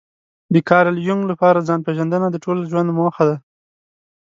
د کارل يونګ لپاره ځان پېژندنه د ټول ژوند موخه ده.